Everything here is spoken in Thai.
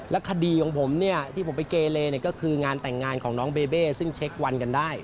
คดีของผมเนี่ยที่ผมไปเกเลก็คืองานแต่งงานของน้องเบเบ้ซึ่งเช็ควันกันได้